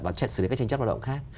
và xử lý các tranh chấp lao động khác